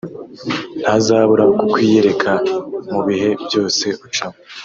ntazabura kukwiyereka mu bihe byose ucamo